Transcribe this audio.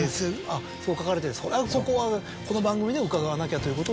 そう書かれてそこはこの番組で伺わなきゃということで。